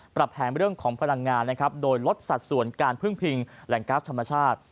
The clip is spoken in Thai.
แผนเรื่องของพลังงานนะครับโดยลดสัดส่วนการพึ่งพิงแหล่งก๊าซธรรมชาติ